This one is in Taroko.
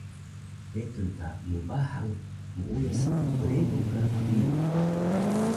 netun ta mbahang muuyas mgrebu ka qdiro